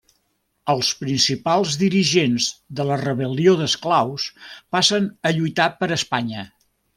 Els principals dirigents de la rebel·lió d'esclaus passen a lluitar per Espanya.